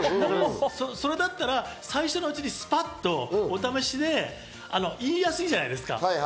それだったら最初のうちにスパッとお試しで言いやすいじゃないですか。